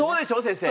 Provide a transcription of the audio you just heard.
先生。